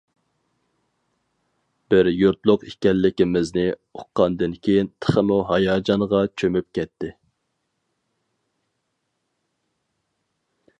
بىر يۇرتلۇق ئىكەنلىكىمىزنى ئۇققاندىن كېيىن تېخىمۇ ھاياجانغا چۆمۈپ كەتتى.